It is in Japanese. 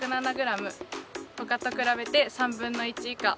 他と比べて３分の１以下。